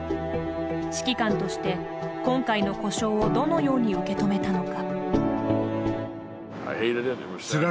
指揮官として、今回の故障をどのように受け止めたのか。